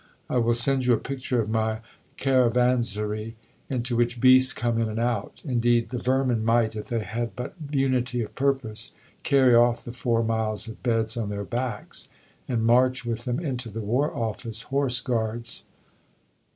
I will send you a picture of my Caravanserai, into which beasts come in and out. Indeed the vermin might, if they had but 'unity of purpose,' carry off the four miles of beds on their backs, and march with them into the War Office, Horse Guards, S.